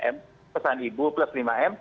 m pesan ibu plus lima m